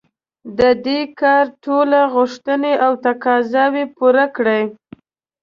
د دې کار ټولې غوښتنې او تقاضاوې پوره کړي.